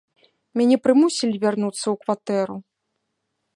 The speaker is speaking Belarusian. Мяне прымусілі вярнуцца ў кватэру.